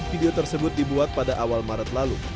video tersebut dibuat pada awal maret lalu